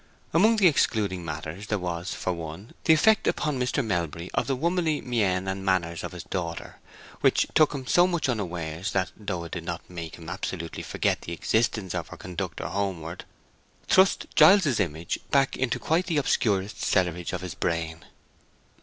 Among the excluding matters there was, for one, the effect upon Mr. Melbury of the womanly mien and manners of his daughter, which took him so much unawares that, though it did not make him absolutely forget the existence of her conductor homeward, thrust Giles's image back into quite the obscurest cellarage of his brain.